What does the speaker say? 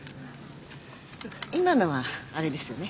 今のはあれですよね。